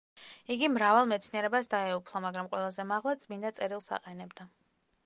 იგი მრავალ მეცნიერებას დაეუფლა, მაგრამ ყველაზე მაღლა წმინდა წერილს აყენებდა.